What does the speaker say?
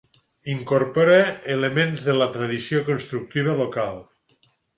Incorpora elements de la tradició constructiva local.